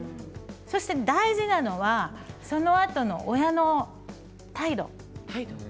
大事なのは、そのあとの親の態度。